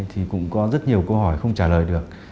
thì cũng có rất nhiều câu hỏi không trả lời được